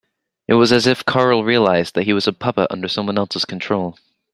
It was as if Carl realised that he was a puppet under someone else's control.